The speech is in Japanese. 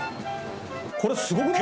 これすごくない？